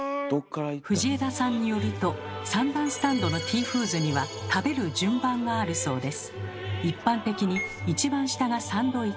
藤枝さんによると三段スタンドのティーフーズには食べる順番があるそうです。